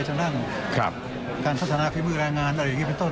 จากนั้นการพัฒนาภิมธ์รายงานอะไรอย่างนี้เป็นต้น